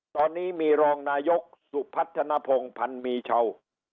ตอนนี้มีรองนายกสุพัฒนภงพันธ์มีเช่า